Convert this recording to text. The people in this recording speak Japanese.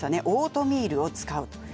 オートミールを使う。